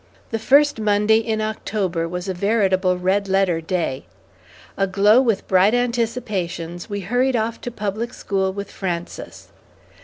The first Monday in October was a veritable red letter day. Aglow with bright anticipations, we hurried off to public school with Frances.